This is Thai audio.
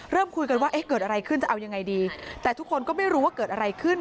เริ่มคุยกันว่าเอ๊ะเกิดอะไรขึ้นจะเอายังไงดีแต่ทุกคนก็ไม่รู้ว่าเกิดอะไรขึ้น